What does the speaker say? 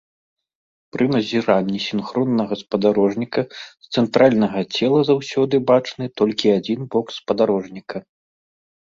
Пры назіранні сінхроннага спадарожніка з цэнтральнага цела заўсёды бачны толькі адзін бок спадарожніка.